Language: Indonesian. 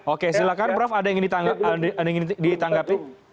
oke silakan prof ada yang ingin ditanggapi